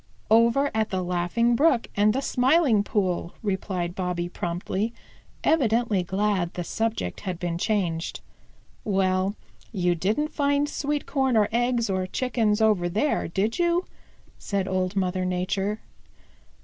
"Over at the Laughing Brook and the Smiling Pool," replied Bobby promptly, evidently glad the subject had been changed. "Well, you didn't find sweet corn or eggs or Chickens over there, did you?" said Old Mother Nature.